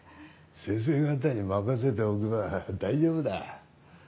先生方に任せておけば大丈夫だ。